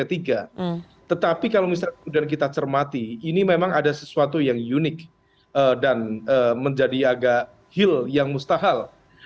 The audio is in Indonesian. tetapi kalau misalnya kemudian kita cermati ini memang ada sesuatu yang unik dan menjadi agak heal yang mustahil